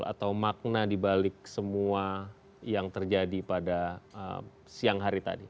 atau makna dibalik semua yang terjadi pada siang hari tadi